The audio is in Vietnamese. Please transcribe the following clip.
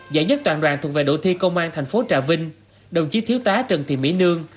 giải nhất toàn đoàn thuộc về đội thi công an thành phố trà vinh đồng chí thiếu tá trần thị mỹ nương